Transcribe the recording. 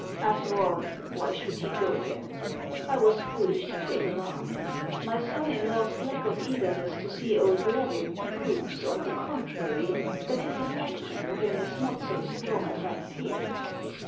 After all, why should he go there ? I was foolish to take alarm. My son in law's lack of eagerness to see old Levin proves, on the contrary, that his affection for him is not so strong as I feared.